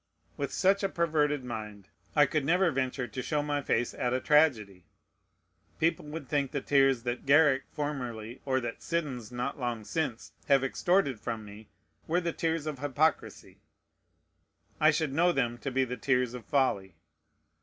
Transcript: With such a perverted mind, I could never venture to show my face at a tragedy. People would think the tears that Garrick formerly, or that Siddons not long since, have extorted from me, were the tears of hypocrisy; I should know them to be the tears of folly.